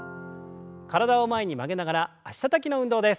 体を前に曲げながら脚たたきの運動です。